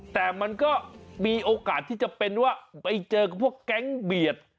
แต่มันก็มีโอกาสที่จะเป็นว่าไปเจอกับพวกแก๊งเบียด